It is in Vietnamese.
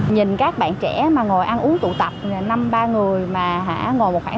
nhìn các bạn trẻ mà ngồi ăn uống tụ tập năm ba người mà ngồi một khoảng